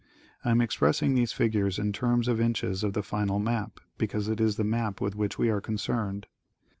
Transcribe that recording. I am expressing these figures in terms of inches of the final map, because it is the map with which we are concerned.